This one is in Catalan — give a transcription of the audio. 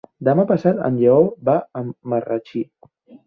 Demà passat en Lleó va a Marratxí.